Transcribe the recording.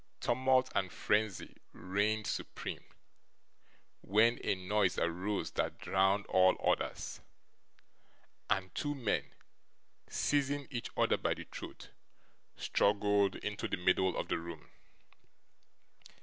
Tumult and frenzy reigned supreme; when a noise arose that drowned all others, and two men, seizing each other by the throat, struggled into the middle of the room.